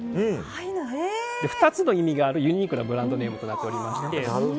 ２つの意味があるユニークなブランド名となってまして。